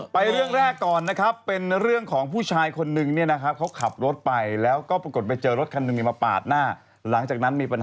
ไปเรื่องแรกก่อนนะเป็นเรื่องของผู้ชายคนนี้น่ะครับ